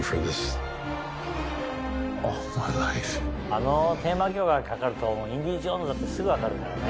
あのテーマ曲がかかると『インディ・ジョーンズ』ってすぐ分かるからね。